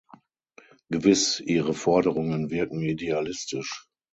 Gewiss, ihre Forderungen wirken idealistisch.